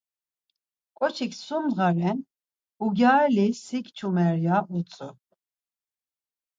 Ǩoçik, 'sum ndğa ren ugyareli si kçumer' ya utzu.